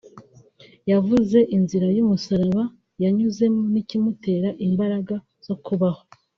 wavuze inzira y’umusaraba yanyuzemo n’ikimutera imbaraga zo kubaho